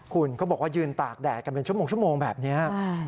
คุณก็บอกว่ายืนตากแดดกันเป็นชั่วโมงแบบนี้